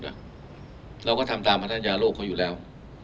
เราก็ทำตามพนักยาโลกเขาอยู่แล้ว